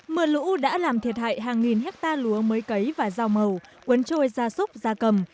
mưa lũ đã làm thiệt hại hàng nghìn hectare lúa mới cấy và rau màu cuốn trôi ra súc ra cầm